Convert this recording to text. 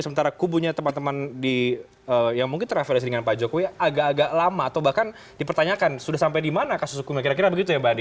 sementara kubunya teman teman yang mungkin travelci dengan pak jokowi agak agak lama atau bahkan dipertanyakan sudah sampai di mana kasus hukumnya kira kira begitu ya mbak andi